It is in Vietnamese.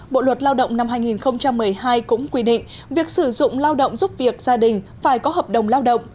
bộ luật lao động năm hai nghìn một mươi hai cũng quy định việc sử dụng lao động giúp việc gia đình phải có hợp đồng lao động